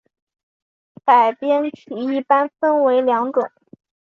改编曲一般分为两种。